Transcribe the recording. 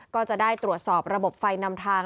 ก็จะได้ตรวจสอบระบบไฟนำทาง